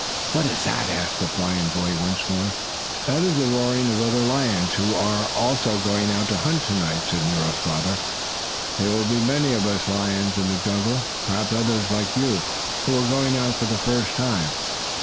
"What is that?" asked the boy lion once more. "That is the roaring of other lions, who are also going out to hunt to night," said Nero's father. "There will be many of us lions in the jungle; perhaps others, like you, who are going out for the first time.